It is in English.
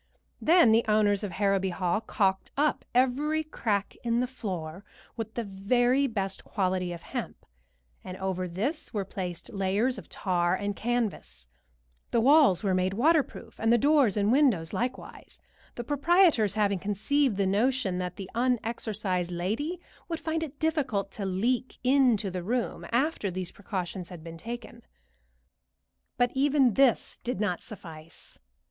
Then the owners of Harrowby Hall caulked up every crack in the floor with the very best quality of hemp, and over this were placed layers of tar and canvas; the walls were made waterproof, and the doors and windows likewise, the proprietors having conceived the notion that the unexorcised lady would find it difficult to leak into the room after these precautions had been taken; but even this did not suffice.